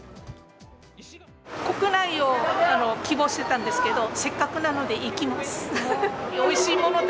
国内を希望してたんですけど、せっかくなので行きます。